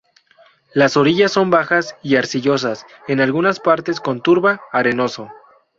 Las orillas son bajas y arcillosas, en algunas partes con turba, arenoso.